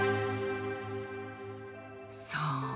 そう！